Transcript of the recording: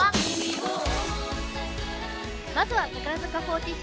まずは櫻坂４６。